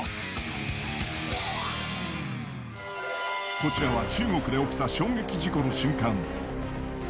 こちらは中国で起きた衝撃事故の瞬間。